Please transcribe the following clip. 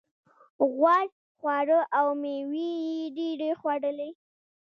غوړ خواړه او مېوې یې ډېرې خوړلې.